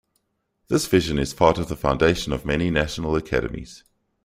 This vision is part of the foundation of many National Academies.